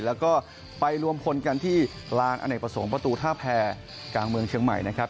แล้วก็ไปรวมพลกันที่ลานอเนกประสงค์ประตูท่าแพรกลางเมืองเชียงใหม่นะครับ